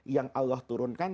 yang allah turunkan